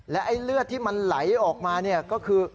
และเลือดที่มันไหลออกมาก็คือ